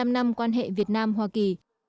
bảy mươi năm năm quan hệ việt nam hoa kỳ